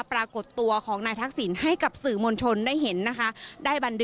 ปรากฏตัวของนายทักษิณให้กับสื่อมวลชนได้เห็นนะคะ